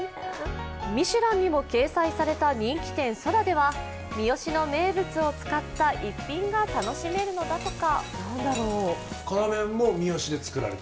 ミシュランにも掲載された人気店、空では、三次の名物を使った１品が楽しめるのだとか。